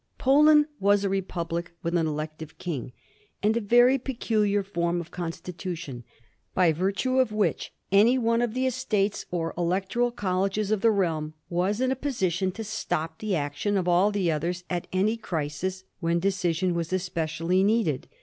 Poland was a republic with an elective king, and a very peculiar form of constitution, by virtue of which any one of the estates or electoral colleges of the realm was in a position to stop the action of all the others at any crisis when de cision was especially needed.